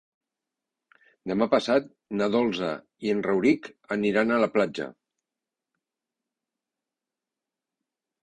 Demà passat na Dolça i en Rauric aniran a la platja.